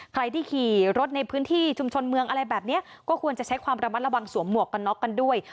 ใครที่ขี่รถในพื้นที่ชุมชนเมืองอะไรแบบนี้ก็ควรจะใช้ความระมัดระวังสวมหมวกกันน็อกกันด้วย